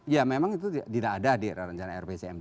ya memang itu tidak ada di rencana rpcm